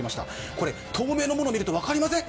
これ、透明なものを見ると分かります？